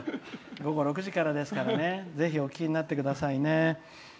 午後６時からですからぜひお聴きになってくださいね。